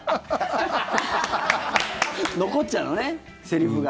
残っちゃうのねセリフが。